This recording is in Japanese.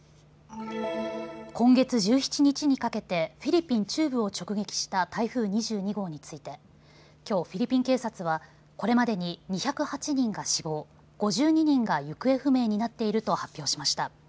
今月１７日にかけてフィリピン中部を直撃した台風２２号についてきょうフィリピン警察はこれまでに２０８人が死亡、５２人が行方不明になっていると発表しました。